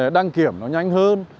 đăng kiểm nó nhanh hơn